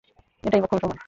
এটাই মোক্ষম সময়।